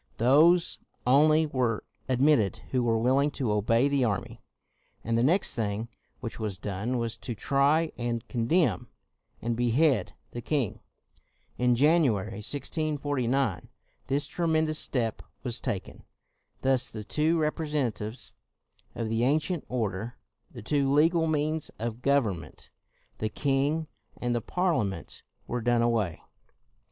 Those only were admitted who were will ing to obey the army. And the next thing which was done was to try, and condemn, and behead the king. In January 1649, this tremendous step was taken. Thus the two representatives of the ancient order, the two legal means of government, the king and the Parliament were done away.